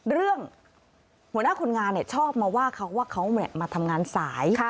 หัวหน้าคนงานชอบมาว่าเขาว่าเขามาทำงานสาย